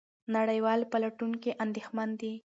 نړیوال پلټونکي اندېښمن دي.